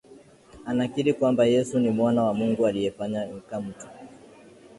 yanakiri kwamba Yesu ni Mwana wa Mungu aliyefanyika mtu